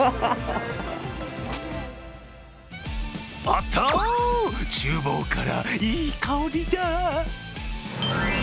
おっと、ちゅう房からいい香りが。